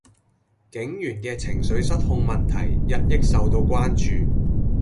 警員既情緒失控問題日益受到關注